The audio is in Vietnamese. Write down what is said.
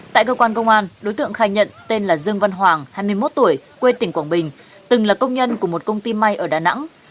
tại cơ quan công an đối tượng khai nhận tên là dương văn hoàng hai mươi một tuổi quê tỉnh quảng bình từng là công nhân của một công ty may ở đà nẵng